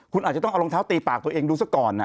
คุณอาจจะต้องเอารองเท้าตีปากตัวเองดูซะก่อน